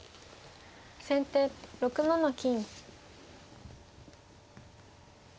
先手６七金。